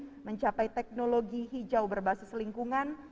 untuk mencapai teknologi hijau berbasis lingkungan